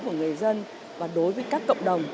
của người dân và đối với các cộng đồng